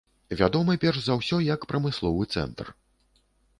Вядомы перш за ўсё як прамысловы цэнтр.